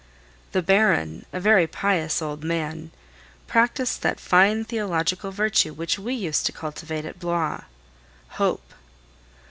The Baron, a very pious old man, practised that fine theological virtue which we used to cultivate at Blois Hope!